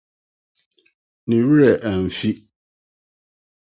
ne werɛ amfi